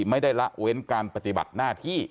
ละเว้นการปฏิบัติหน้าที่